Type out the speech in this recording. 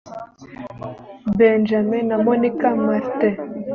benjamin na monica martin